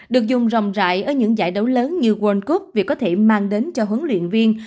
được dùng rồng rại ở những giải đấu lớn như world cup vì có thể mang đến cho huấn luyện viên